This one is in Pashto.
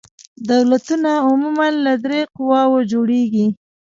دولتونه عموماً له درې قواوو جوړیږي.